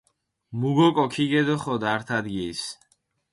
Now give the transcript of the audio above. მუ გოკო ქიგედოხოდ ართ ადგილს